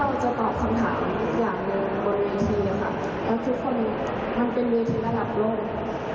แล้วทุกคนมันเป็นวิธีระดับโลก